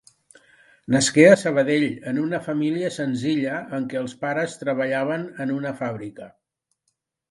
Nasqué a Sabadell en una família senzilla en què els pares treballaven en una fàbrica.